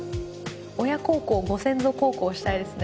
親孝行ご先祖孝行したいですね